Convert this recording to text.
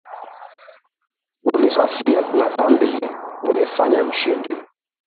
Hunisafi na dhambi, hunifanya Mshindi.